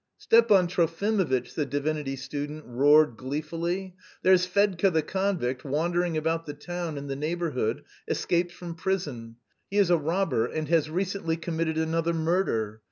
"Stepan Trofimovitch!" the divinity student roared gleefully. "There's Fedka the convict wandering about the town and the neighbourhood, escaped from prison. He is a robber and has recently committed another murder.